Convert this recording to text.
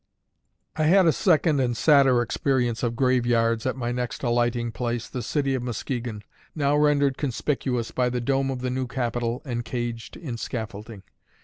I had a second and sadder experience of graveyards at my next alighting place, the city of Muskegon, now rendered conspicuous by the dome of the new capitol encaged in scaffolding.